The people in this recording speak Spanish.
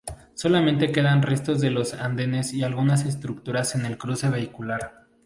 Solamente quedan restos de los andenes y algunas estructuras en el cruce vehicular.